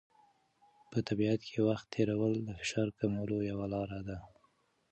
په طبیعت کې وخت تېرول د فشار کمولو یوه لاره ده.